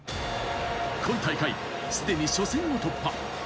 今大会、すでに初戦を突破。